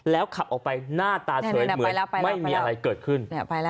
ขับออกไปหน้าตาเฉยเหมือนไม่มีอะไรเกิดขึ้น